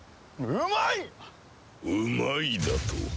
「うまい」だと！？